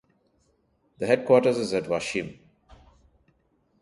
The headquarters is at Washim.